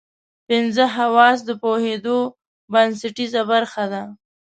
پنځه حواس د پوهېدو بنسټیزه برخه ده.